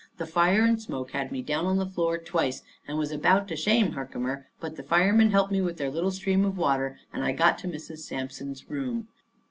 The fire and smoke had me down on the floor twice, and was about to shame Herkimer, but the firemen helped me with their little stream of water, and I got to Mrs. Sampson's room.